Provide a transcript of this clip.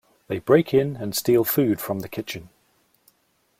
They break in and steal food from the kitchen.